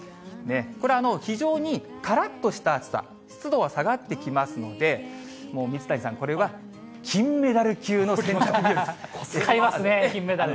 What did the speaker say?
これ、非常にからっとした暑さ、湿度は下がってきますので、水谷さん、使いますね、金メダル。